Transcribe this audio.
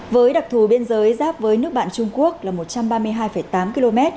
với đặc thù biên giới giáp với nước bạn trung quốc là một trăm ba mươi hai tám km